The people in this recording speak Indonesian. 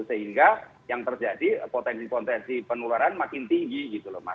sehingga yang terjadi potensi potensi penularan makin tinggi gitu loh mas